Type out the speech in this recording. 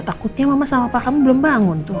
takutnya mama sama papa kamu belum bangun tuh